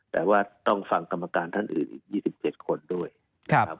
แต่ว่าต้องฟังกรรมการท่านอื่นอีก๒๗คนด้วยนะครับ